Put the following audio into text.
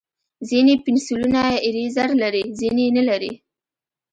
ځینې پنسلونه ایریزر لري، ځینې یې نه لري.